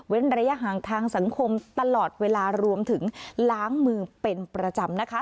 ระยะห่างทางสังคมตลอดเวลารวมถึงล้างมือเป็นประจำนะคะ